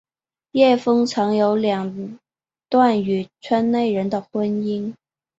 叶枫曾有过两段与圈内人的婚姻。